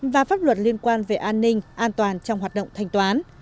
và pháp luật liên quan về an ninh an toàn trong hoạt động thanh toán